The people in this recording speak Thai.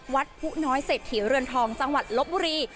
ผู้น้อยเศรษฐีเรือนทองจังหวัดลบบุรี